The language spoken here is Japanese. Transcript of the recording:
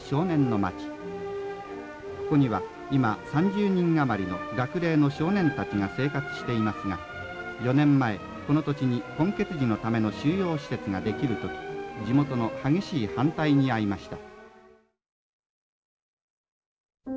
ここには今３０人余りの学齢の少年たちが生活していますが４年前この土地に混血児のための収容施設ができる時地元の激しい反対にあいました」。